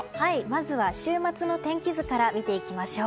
まずは週末の天気図から見ていきましょう。